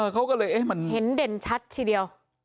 เขาก็เลยเห็นเด่นชัดทีเดียว